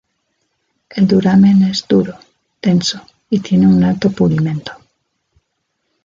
El duramen es duro, denso, y tiene un alto pulimento.